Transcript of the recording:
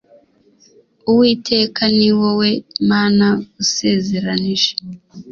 Uwiteka ni wowe Mana usezeranije.